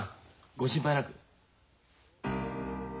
ご心配なく。